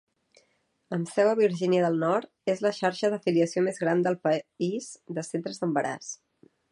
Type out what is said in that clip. Amb seu a Virgínia del Nord, és la xarxa d'afiliació més gran del país de centres d'embaràs.